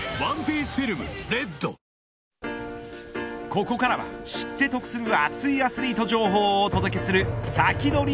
ここからは知って得する熱いアスリート情報をお届けするサキドリ！